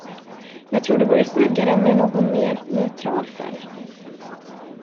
Jag tror det vore snyggare med någon mer neutral färg.